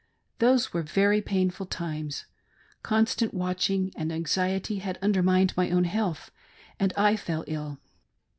Those were very pain ful times. Constant watching and anxiety had undermined my own health, and I fell ill.